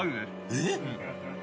えっ？